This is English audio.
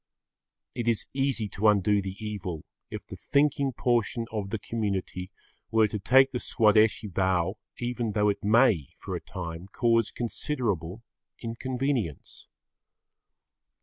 It is easy to undo the evil if the thinking portion of the community were to take the Swadeshi vow even though it may, for a time, cause considerable inconvenience.